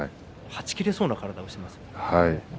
はち切れそうな体をしています。